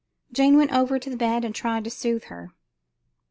Jane went over to the bed and tried to soothe her.